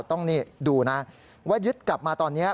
ต้องนี่ดูนะว่ายึดกลับมาตอนนี้